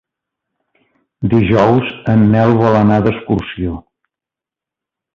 Dijous en Nel vol anar d'excursió.